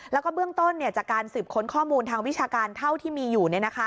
แล้วก็เบื้องต้นจากการสืบค้นข้อมูลทางวิชาการเท่าที่มีอยู่